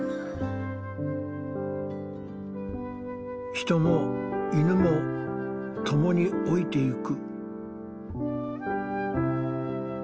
人も犬も共に老いていく。